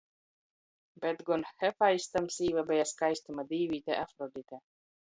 Bet gon Hefaistam sīva beja skaistuma dīvīte Afrodite.